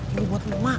ini buat mama